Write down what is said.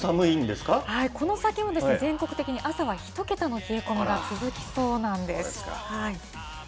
この先もですね、全国的に朝は１桁の冷え込みが続きそうなんです。